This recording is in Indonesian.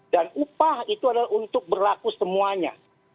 dan upah itu adalah untuk berlaku semuanya